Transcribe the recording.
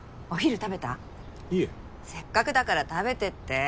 せっかくだから食べてって。